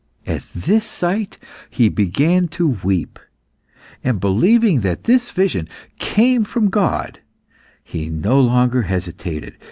At this sight he began to weep, and believing that this vision came from God, he no longer hesitated.